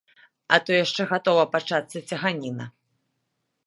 А то яшчэ гатова пачацца цяганіна.